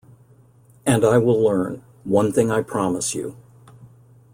And I will learn — One thing I promise you.